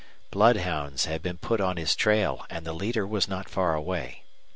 Bloodhounds had been put on his trail, and the leader was not far away.